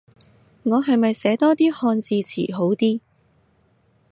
我係咪寫多啲漢字詞好啲